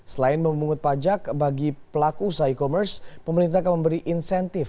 selain memungut pajak bagi pelaku usaha e commerce pemerintah akan memberi insentif